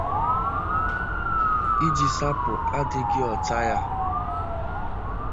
iji sapụ 'adịghịọcha ya'